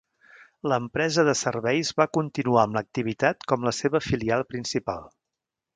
L'empresa de serveis va continuar amb l'activitat com la seva filial principal.